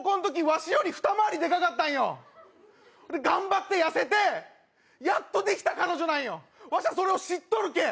ワシより二回りでかかったんよで頑張って痩せてやっとできた彼女なんよわしゃそれを知っとるけ